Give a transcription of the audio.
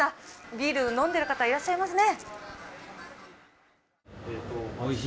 ビールを飲んでいる方いらっしゃいますね。